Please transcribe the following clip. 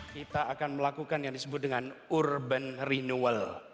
kita akan melakukan yang disebut dengan urban renewal